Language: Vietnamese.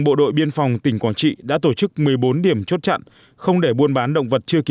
bộ đội biên phòng tỉnh quảng trị đã tổ chức một mươi bốn điểm chốt chặn không để buôn bán động vật chưa